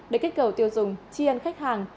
để kết cầu tiêu dùng chi yên khách hàng